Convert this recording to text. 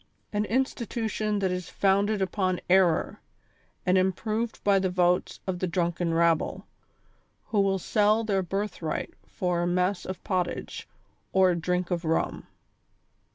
An institution that is founded upon error, and improved by the votes of the drunken rabble, who will sell their birthright for a mess of pottage, or a drink of rum.